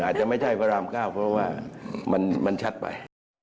อาจจะไม่ใช่พระราม๙เพราะว่ามันชัดไป